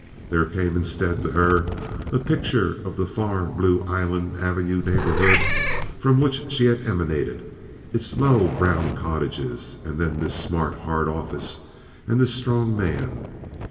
There came instead to her a picture of the far Blue Island Avenue neighborhood from which she emanated—its low brown cottages, and then this smart, hard office and this strong man.